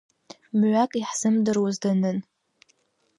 Мҩак, иаҳзымдыруаз данын…